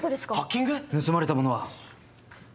盗まれたものは！？